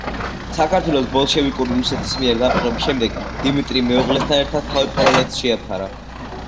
საქართველოს ბოლშევიკური რუსეთის მიერ დაპყრობის შემდეგ დიმიტრიმ მეუღლესთან ერთად თავი პოლონეთს შეაფარა.